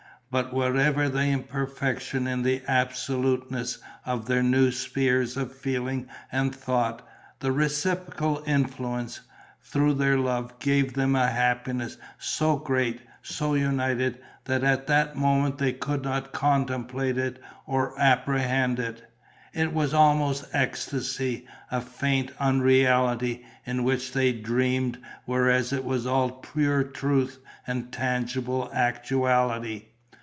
But whatever the imperfection in the absoluteness of their new spheres of feeling and thought, the reciprocal influence, through their love, gave them a happiness so great, so united, that at that moment they could not contemplate it or apprehend it: it was almost ecstasy, a faint unreality, in which they dreamed, whereas it was all pure truth and tangible actuality.